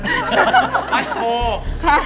วัดโพล